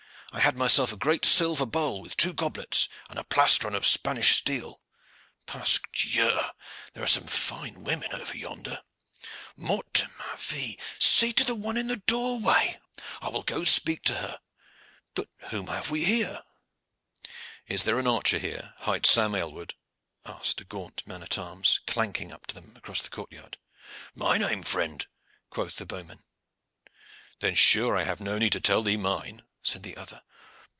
I had myself a great silver bowl, with two goblets, and a plastron of Spanish steel. Pasques Dieu! there are some fine women over yonder! Mort de ma vie! see to that one in the doorway! I will go speak to her. But whom have we here?" "Is there an archer here hight Sam Aylward?" asked a gaunt man at arms, clanking up to them across the courtyard. "My name, friend," quoth the bowman. "Then sure I have no need to tell thee mine," said the other.